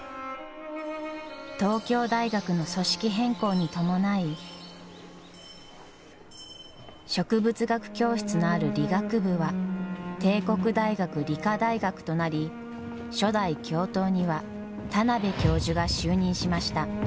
東京大学の組織変更に伴い植物学教室のある理学部は帝国大学理科大学となり初代教頭には田邊教授が就任しました。